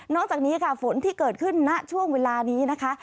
จากนี้ค่ะฝนที่เกิดขึ้นณช่วงเวลานี้นะคะ